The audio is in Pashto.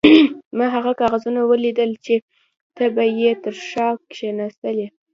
ما هغه کاغذونه ولیدل چې ته به یې تر شا کښېناستلې.